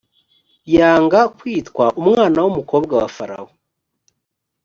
yanga kwitwa umwana w umukobwa wa farawo